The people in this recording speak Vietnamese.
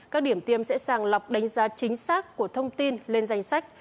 các điểm tiêm sẽ sàng lọc đánh giá chính xác của thông tin lên danh sách